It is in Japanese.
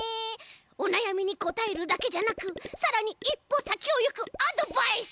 おなやみにこたえるだけじゃなくさらにいっぽさきをいくアドバイス。